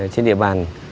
trên địa bàn